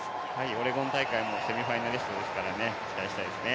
オレゴン大会もセミファイナリストですから期待したいですね。